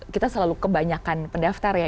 kita selalu kebanyakan pendaftar ya